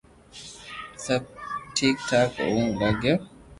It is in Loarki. سب ٺيڪ ٺيڪ ھووا لاگيو